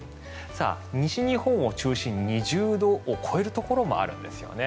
西日本を中心に２０度を超えるところもあるんですよね。